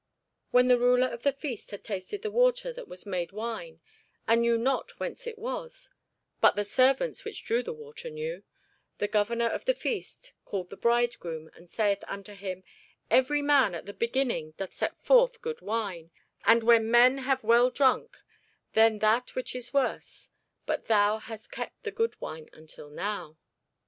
When the ruler of the feast had tasted the water that was made wine, and knew not whence it was: (but the servants which drew the water knew;) the governor of the feast called the bridegroom, and saith unto him, Every man at the beginning doth set forth good wine; and when men have well drunk, then that which is worse: but thou hast kept the good wine until now.